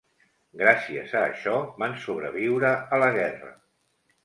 Gràcies a això van sobreviure a la guerra.